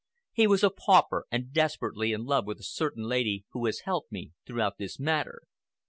He was a pauper, and desperately in love with a certain lady who has helped me throughout this matter.